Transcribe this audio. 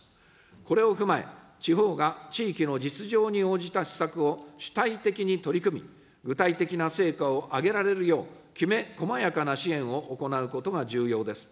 これを踏まえ、地方が地域の実情に応じた施策を主体的に取り組み、具体的な成果を上げられるよう、きめ細やかな支援を行うことが重要です。